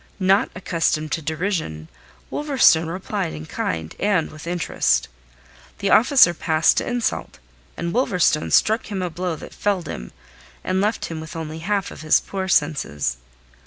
Not accustomed to derision, Wolverstone replied in kind and with interest. The officer passed to insult, and Wolverstone struck him a blow that felled him, and left him only the half of his poor senses.